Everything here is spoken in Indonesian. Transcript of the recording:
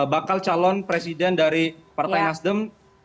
bakal calon presiden dari partai nasdem